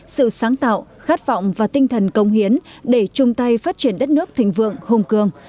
sự sáng tạo khát vọng và tinh thần công hiến để chung tay phát triển đất nước thịnh vượng hùng cường